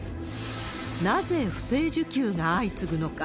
なぜ不正受給が相次ぐのか。